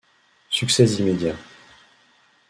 Succès immédiat.